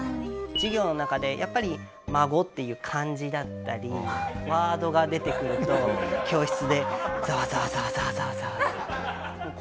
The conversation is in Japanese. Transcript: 授業の中でやっぱり「孫」っていう漢字だったりワードが出てくると教室でざわざわざわざわざわざわ。